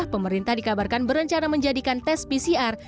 pemerintah dikabarkan berencana menjadikan tes pcr